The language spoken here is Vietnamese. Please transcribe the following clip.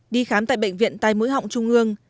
đi khám tại bệnh viện tai mũi họng trung ương